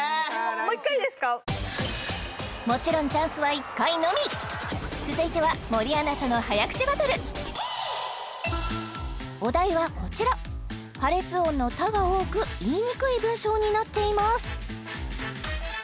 もちろんチャンスは１回のみ続いては森アナとの早口バトルお題はこちら破裂音の「た」が多く言いにくい文章になっています